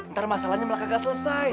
ntar masalahnya malah kagak selesai